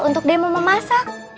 untuk demo memasak